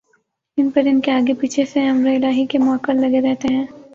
ان پران کے آگے پیچھے سے امرِالٰہی کے مؤکل لگے رہتے ہیں